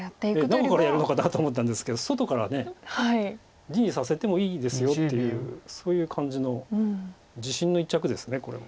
どこからやるのかなと思ったんですけど外から地にさせてもいいですよっていうそういう感じの自信の一着ですこれ。